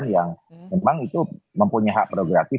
yang memang itu mempunyai hak progratif